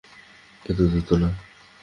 এত দ্রুত না।